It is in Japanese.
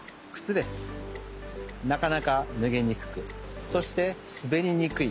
なかなかぬげにくくそしてすべりにくい。